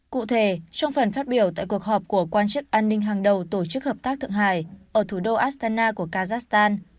cụ thể trong phần phát biểu tại cuộc họp của quan chức an ninh hàng đầu tổ chức hợp tác thượng hải ở thủ đô astana của kazakhstan